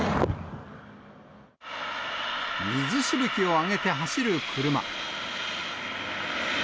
水しぶきを上げて走る車。